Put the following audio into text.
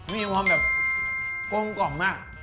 มีความแบบกลมกล่อมมาก